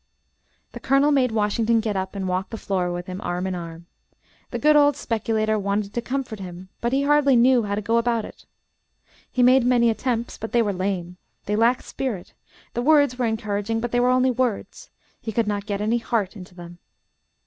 The Colonel made Washington get up and walk the floor with him, arm in arm. The good old speculator wanted to comfort him, but he hardly knew how to go about it. He made many attempts, but they were lame; they lacked spirit; the words were encouraging; but they were only words he could not get any heart into them.